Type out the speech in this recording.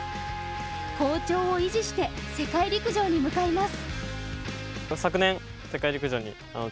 好調を維持して世界陸上に向かいます。